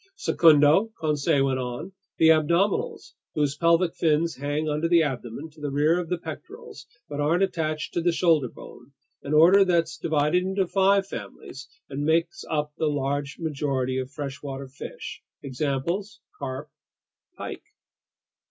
"Secundo," Conseil went on, "the abdominals, whose pelvic fins hang under the abdomen to the rear of the pectorals but aren't attached to the shoulder bone, an order that's divided into five families and makes up the great majority of freshwater fish. Examples: carp, pike."